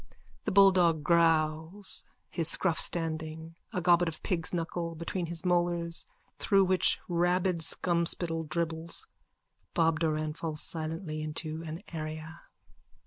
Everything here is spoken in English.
_(The bulldog growls, his scruff standing, a gobbet of pig's knuckle between his molars through which rabid scumspittle dribbles. Bob Doran falls silently into an area.)